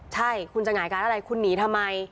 ใช่คุณจะหงายการอะไรคุณหนีทำไม